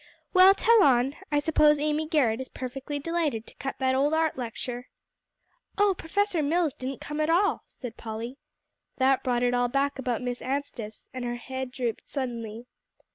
Well, tell on. I suppose Amy Garrett is perfectly delighted to cut that old art lecture." "Oh, Professor Mills didn't come at all," said Polly. That brought it all back about Miss Anstice, and her head drooped suddenly.